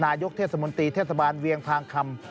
นายกเทศมนตรีเทศบาลเวียงพางคำ